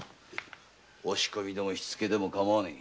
押し込みでも火つけでも構わねぇ。